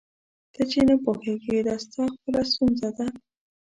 ته چي نه پوهېږې دا ستا خپله ستونزه ده.